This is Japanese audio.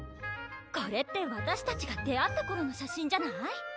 これってわたしたちが出会った頃の写真じゃない？